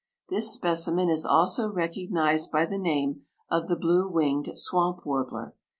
This specimen is also recognized by the name of the blue winged swamp warbler.